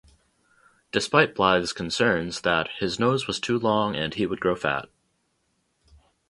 Despite Blythe's concerns that 'his nose was too long and he would grow fat'.